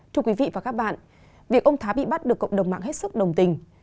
thưa quý vị và các bạn việc ông thái bị bắt được cộng đồng mạng hết sức đồng tình